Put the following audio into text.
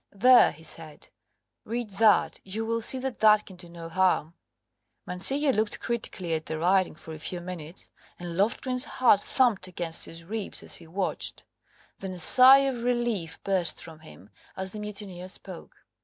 "There," he said, "read that; you will see that that can do no harm." Mancillo looked critically at the writing for a few minutes, and Loftgreen's heart thumped against his ribs as he watched. Then a sigh of relief burst from him as the mutineer spoke.